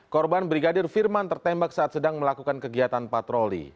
korban brigadir firman tertembak saat sedang melakukan kegiatan patroli